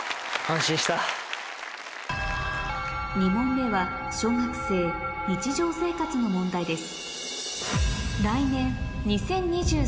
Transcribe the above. ２問目は小学生日常生活の問題です